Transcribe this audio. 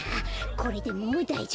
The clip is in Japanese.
これでもうだいじょうぶ。